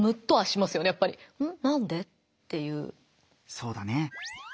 そうだね。